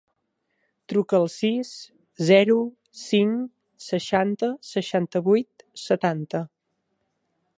Truca al sis, zero, cinc, seixanta, seixanta-vuit, setanta.